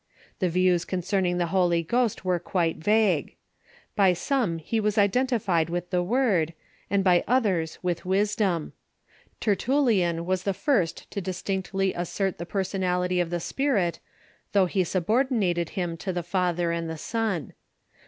The views concerning the Holy Ghost were quite vague. By some he was identified with the Word, and by others with wisdom, Tertullian was the first to distinctly assert the personality of the Spirit, though he subor dinated him to the Father and the Son.